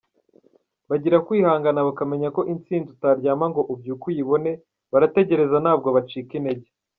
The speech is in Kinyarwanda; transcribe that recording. Bagira kwihangana bakamenya ko intsinzi utaryama ngo ubyuke uyibone, barategereza ntabwo bacika intege.